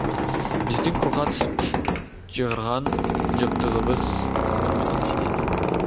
Биздин кургак сүт чыгарган жабдыгыбыз көмүр менен иштейт.